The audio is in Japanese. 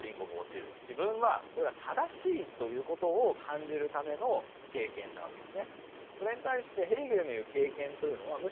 自分はこれが正しいということを感じるための経験なわけですね。